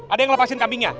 ada yang lepasin kambingnya